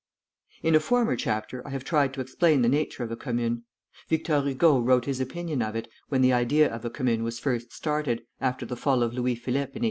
In a former chapter I have tried to explain the nature of a commune. Victor Hugo wrote his opinion of it, when the idea of a commune was first started, after the fall of Louis Philippe in 1848.